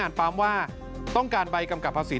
โทษภาพชาวนี้ก็จะได้ราคาใหม่